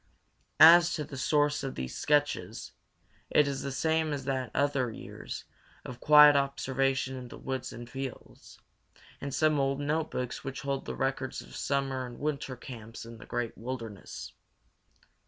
As to the source of these sketches, it is the same as that of the others years of quiet observation in the woods and fields, and some old notebooks which hold the records of summer and winter camps in the great wilderness.